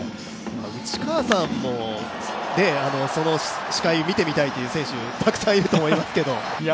内川さんもその視界を見てみたいという選手、たくさんいると思いますが。